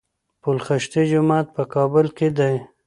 پل خشتي جومات په کابل کي دی